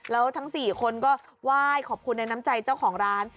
แล้วทั้ง๔คนก็ไหว้ขอบคุณในน้ำใจเจ้าของร้าน